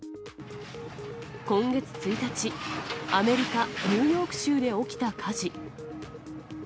今月１日、アメリカ・ニューヨーク州で起きた火事。